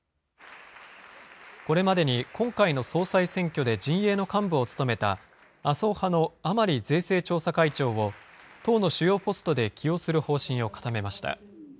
これまでに今回の総裁選挙で陣営の幹部を務めた、麻生派の甘利税制調査会長を、党の主要ポストで起用する方針を固めました。